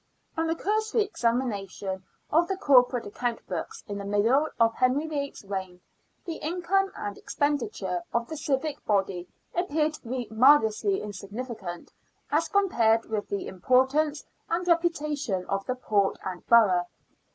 On a cursory examination of the corporate account books in the middle of Henry VIII. 's reign, the income and expenditure of the civic body appear to be marvellously insignificant as compared with the importance and reputa tion of the port and borough.